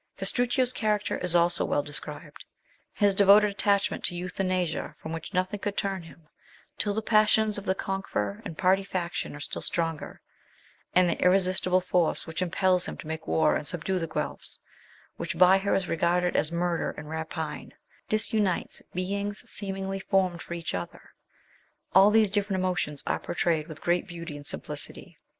Castruccio's character is also well described : his devoted attachment to Eutha nasia from which nothing could turn him, till the passions of the conqueror and party faction are still stronger ; and the irresistible force which impels him to make war and subdue the Guelphs, which by her is regarded as murder and rapine, disunites beings seemingly formed for each other. All these different emotions are pourtrayed with great beauty and simplicity.